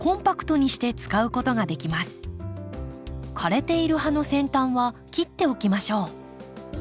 枯れている葉の先端は切っておきましょう。